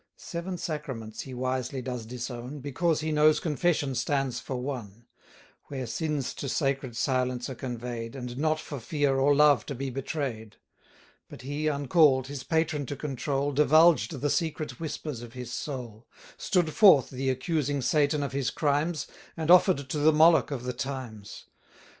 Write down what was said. Seven sacraments he wisely does disown, Because he knows Confession stands for one; Where sins to sacred silence are convey'd, And not for fear, or love, to be betray'd: But he, uncall'd, his patron to control, 1180 Divulged the secret whispers of his soul; Stood forth the accusing Satan of his crimes, And offer'd to the Moloch of the times.